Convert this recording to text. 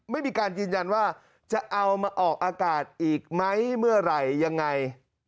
ไม่มีการยืนยันว่าจะเอามาออกอากาศอีกไหมเมื่อไหร่ยังไง